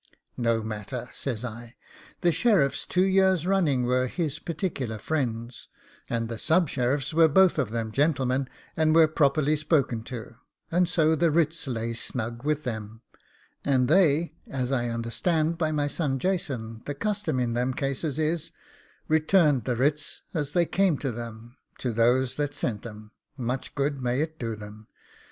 'No matter,' says I, 'the sheriffs two years running were his particular friends, and the sub sheriffs were both of them gentlemen, and were properly spoken to; and so the writs lay snug with them, and they, as I understand by my son Jason the custom in them cases is, returned the writs as they came to them to those that sent 'em much good may it do them!